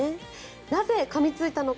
なぜ、かみついたのか。